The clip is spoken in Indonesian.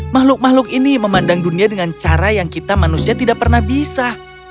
makhluk makhluk ini memandang dunia dengan cara yang kita manusia tidak pernah bisa